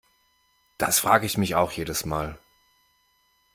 Das frage ich mich auch jedes Mal.